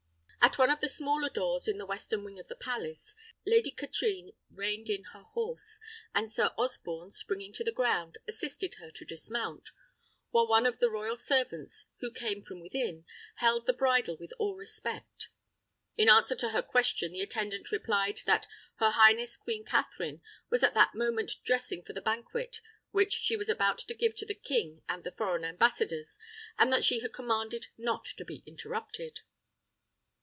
At one of the smaller doors in the western wing of the palace, Lady Katrine reined in her horse, and Sir Osborne, springing to the ground, assisted her to dismount, while one of the royal servants, who came from within, held the bridle with all respect. In answer to her question the attendant replied, that "her highness Queen Katherine was at that moment dressing for the banquet which she was about to give to the king and the foreign ambassadors, and that she had commanded not to be interrupted."